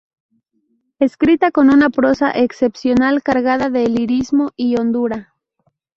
Escrita con una prosa excepcional, cargada de lirismo y hondura.